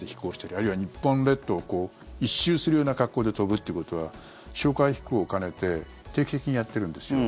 あるいは日本列島を一周するような格好で飛ぶってことは哨戒飛行を兼ねて定期的にやってるんですよ。